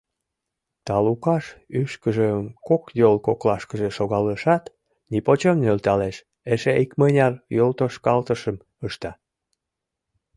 Талукаш ӱшкыжым, кок йол коклашкыже шогалешат, нипочем нӧлталеш, эше икмыняр йолтошкалтышым ышта.